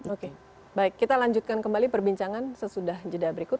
oke baik kita lanjutkan kembali perbincangan sesudah jeda berikut